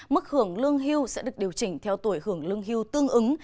mức hưởng lương hưu sẽ được điều chỉnh theo tuổi hưởng lương hưu tương ứng